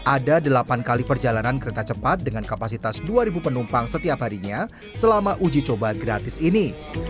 ada delapan kali perjalanan kereta cepat dengan kapasitas dua penumpang setiap harinya selama uji coba gratis ini